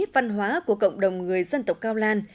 văn hóa của cộng đồng người dân tộc cao lan